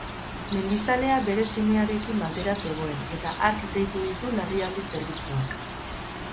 Mendizalea bere semearekin batera zegoen, eta hark deitu ditu larrialdi zerbitzuak.